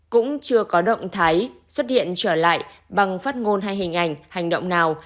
cũng chưa có động thái xuất hiện trở lại bằng phát ngôn hay hình ảnh hành động nào